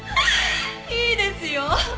いいですよ。